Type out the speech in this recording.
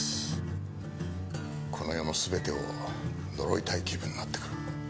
この世のすべてを呪いたい気分になってくる。